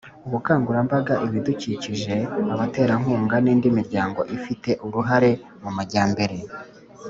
kubungabunga ibidukikije abaterankunga n'indi miryango ifite uruhare mu majyambere